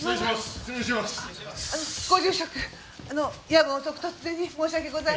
夜分遅く突然に申し訳ございません。